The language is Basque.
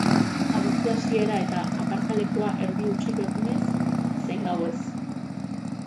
Abuztu hasiera eta aparlalekua erdi hutsik egunez zein gauez.